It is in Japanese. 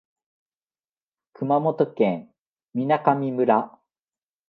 熊本県水上村